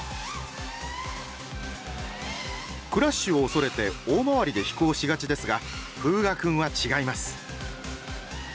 クラッシュを恐れて大回りで飛行しがちですが風雅君は違います！